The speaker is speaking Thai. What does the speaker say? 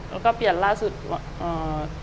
แล้วก็เปลี่ยนล่าสุดหนึ่งกัญญาค่ะ